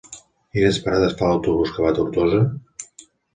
Quines parades fa l'autobús que va a Tortosa?